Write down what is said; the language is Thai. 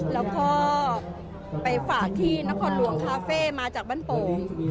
แล้วก็ไปฝากที่นครหลวงคาเฟ่มาจากบ้านโป่ง